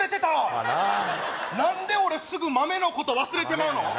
まあな何で俺すぐ豆のこと忘れてまうの？